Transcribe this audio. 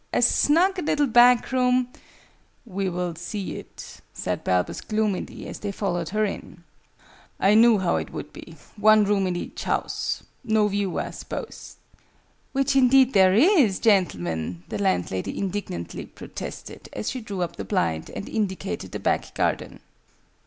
As snug a little back room " "We will see it," said Balbus gloomily, as they followed her in. "I knew how it would be! One room in each house! No view, I suppose?" "Which indeed there is, gentlemen!" the landlady indignantly protested, as she drew up the blind, and indicated the back garden.